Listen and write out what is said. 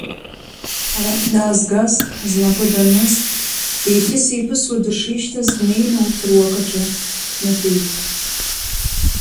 Арахь даазгаз, знапы даныз, деихьысеиԥысуа дышишьҭаз, днеины урҭ руакаҿы днатәеит.